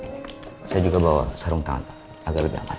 saya juga bawa sarung tangan agar lebih aman